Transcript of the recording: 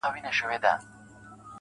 o زمــا دزړه د ائينې په خاموشـۍ كي.